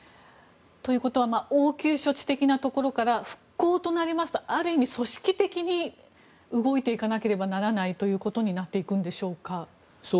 ということは応急処置的なところから復興となりますとある意味、組織的に動いていかなければならないということになりますか。